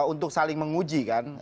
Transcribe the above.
untuk saling menguji kan